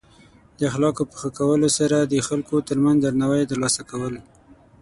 د اخلاقو په ښه کولو سره د خلکو ترمنځ درناوی ترلاسه کول.